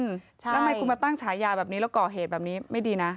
แล้วทำไมคุณมาตั้งฉายาแบบนี้แล้วก่อเหตุแบบนี้ไม่ดีนะ